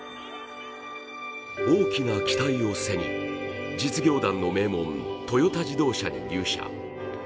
大きな期待を背に実業団の名門トヨタ自動車に入社。